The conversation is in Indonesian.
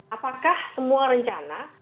apakah semua rencana